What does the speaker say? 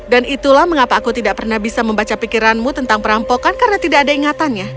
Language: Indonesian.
dan itulah mengapa aku tidak pernah bisa membaca pikiranmu tentang perampokan karena tidak ada ingatannya